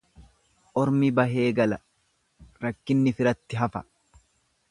Ormi bahee gala rakkinni firatti hafa.